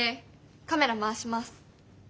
カメラ回します。